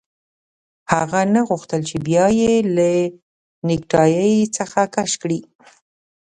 هغه نه غوښتل چې بیا یې له نیکټايي څخه کش کړي